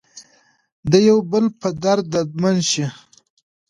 د یو بل په درد دردمن شئ.